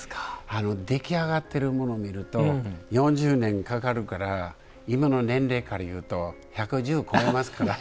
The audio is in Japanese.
あの出来上がってるものを見ると４０年かかるから今の年齢から言うと１１０超えますから。